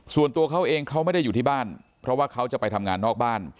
ส่วนตัวเขาเองเขาไม่ได้อยู่ที่บ้านเพราะว่าเขาจะไปทำงานนอกบ้าน